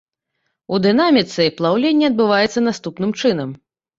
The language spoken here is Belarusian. У дынаміцы, плаўленне адбываецца наступным чынам.